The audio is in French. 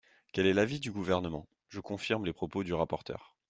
Quel est l’avis du Gouvernement ? Je confirme les propos du rapporteur.